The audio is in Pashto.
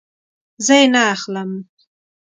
زه یی نه اخلم